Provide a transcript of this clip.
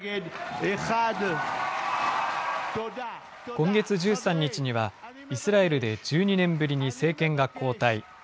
今月１３日には、イスラエルで１２年ぶりに政権が交代。